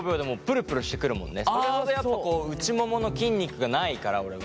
それほどやっぱこう内ももの筋肉がないから俺は。